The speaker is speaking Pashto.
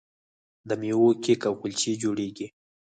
د میوو کیک او کلچې جوړیږي.